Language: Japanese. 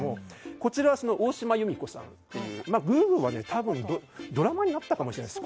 こちら、大島弓子先生という「グーグー」はドラマになったかもしんないです